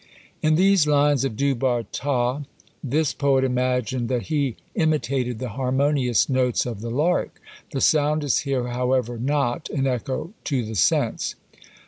In these lines of Du Bartas, this poet imagined that he imitated the harmonious notes of the lark: "the sound" is here, however, not "an echo to the sense."